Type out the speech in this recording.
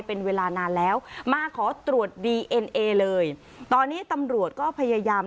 เป็นเวลานานแล้วมาขอตรวจดีเอ็นเอเลยตอนนี้ตำรวจก็พยายาม